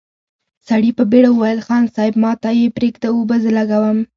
سړي په بېړه وويل: خان صيب، ماته يې پرېږده، اوبه زه لګوم!